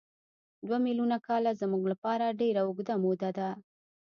دوه میلیونه کاله زموږ لپاره ډېره اوږده موده ده.